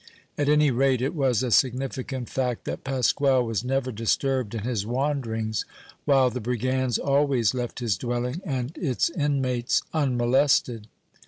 At any rate, it was a significant fact that Pasquale was never disturbed in his wanderings, while the brigands always left his dwelling and its inmates unmolested.